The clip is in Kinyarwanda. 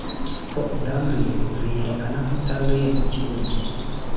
Ku utanduye uziyerekana nk utanduye ku kigoryi